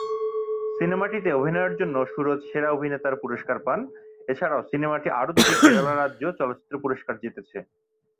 সিনেমাটিতে অভিনয়ের জন্য সুরজ সেরা অভিনেতার পুরস্কার পান, এছাড়াও সিনেমাটি আরও দুটি কেরালা রাজ্য চলচ্চিত্র পুরস্কার জিতেছে।